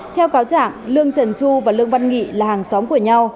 theo cáo trạng lương trần chu và lương văn nghị là hàng xóm của nhau